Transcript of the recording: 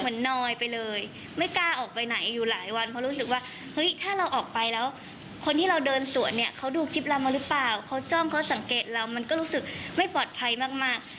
นอยไปเลยไม่กล้าออกไปไหนอยู่หลายวันเพราะรู้สึกว่าเฮ้ยถ้าเราออกไปแล้วคนที่เราเดินสวนเนี่ยเขาดูคลิปเรามาหรือเปล่าเขาจ้องเขาสังเกตเรามันก็รู้สึกไม่ปลอดภัยมาก